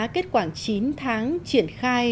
kết quả chín tháng triển khai